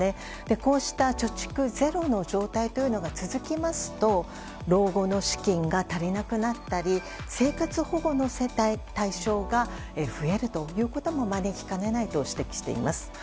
こうした貯蓄０の状態というのが続きますと老後の資金が足りなくなったり生活保護の対象が増えるということも招きかねないと指摘しています。